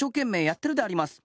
やってるであります。